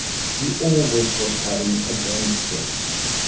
She always was having adventures.